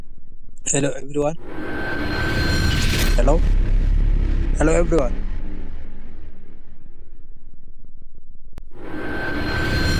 These reagents are often used to perform nucleophilic additions.